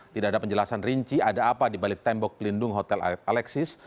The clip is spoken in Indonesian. tidak ada penjelasan rinci ada apa di balik tembok pelindung hotel alexis